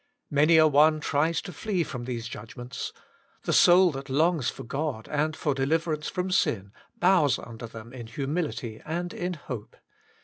Many a one tries to flee from these judgments : the soul that longs for God, and for deliverance from sin, bows under them in humility and in hope.